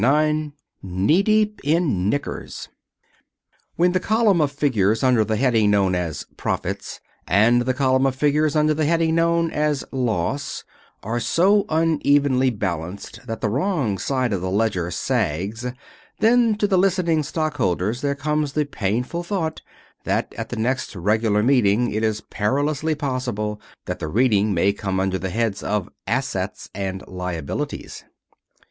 IX KNEE DEEP IN KNICKERS When the column of figures under the heading known as "Profits," and the column of figures under the heading known as "Loss" are so unevenly balanced that the wrong side of the ledger sags, then to the listening stockholders there comes the painful thought that at the next regular meeting it is perilously possible that the reading may come under the heads of Assets and Liabilities.